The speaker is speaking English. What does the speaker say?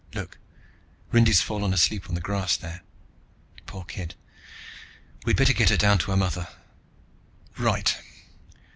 Look, Rindy's fallen asleep on the grass there. Poor kid, we'd better get her down to her mother." "Right."